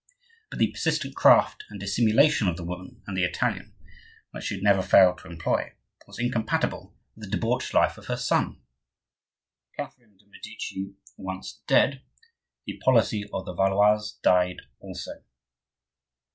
But the persistent craft and dissimulation of the woman and the Italian, which she had never failed to employ, was incompatible with the debauched life of her son. Catherine de' Medici once dead, the policy of the Valois died also.